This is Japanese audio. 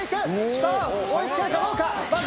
さぁ追い付けるかどうか？